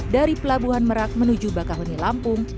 dari pelabuhan merak menuju bakahuni lampung